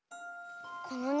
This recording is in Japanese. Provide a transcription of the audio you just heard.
このね